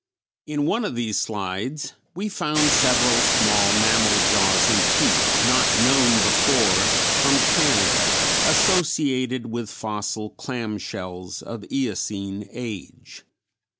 In one of these slides we found several small mammal jaws and teeth not known before from Canada, associated with fossil clam shells of Eocene age.